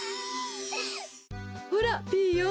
ほらピーヨン